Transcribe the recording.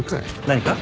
何か？